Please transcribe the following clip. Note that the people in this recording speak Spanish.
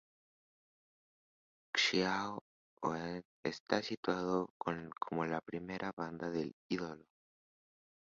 Xiao Hu Dui Está citado como la primera banda de ídolo.